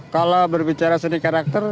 kalau berbicara seni karakter